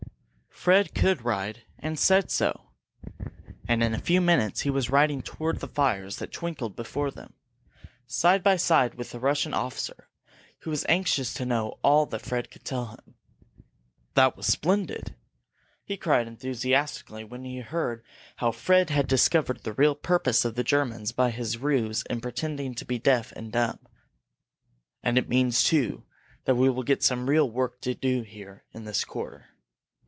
Fred could ride, and said so. And in a few minutes he was riding toward the fires that twinkled before them, side by side with the Russian officer, who was anxious to know all that Fred could tell him. "That was splendid!" he cried enthusiastically when he heard how Fred had discovered the real purpose of the Germans by his ruse in pretending to be deaf and dumb. "And it means, too, that we will get some real work to do here in this quarter.